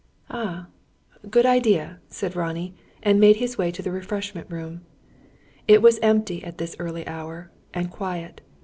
"Ah good idea!" said Ronnie; and made his way to the refreshment room. It was empty at this early hour, and quiet.